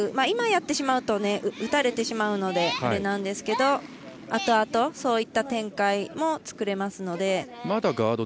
今やってしまうと打たれてしまうのであれなんですけど後々、そういった展開も作れますので。